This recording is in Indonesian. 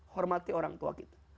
hormati orang tua kita